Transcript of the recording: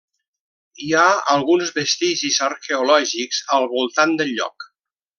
Hi ha alguns vestigis arqueològics al voltant del lloc.